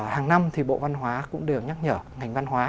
hàng năm thì bộ văn hóa cũng đều nhắc nhở ngành văn hóa